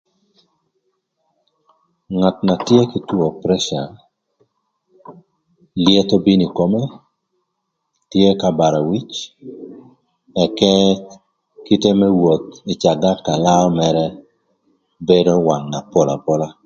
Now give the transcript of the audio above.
Ngat na tye kï two preca, lyetho bino ï kome, tye k'abara wic, ëka kite më woth ï cagat ka laö mërë bedo wang na pol apola.